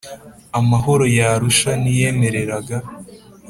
Amahoro y Arusha ntiyemereraga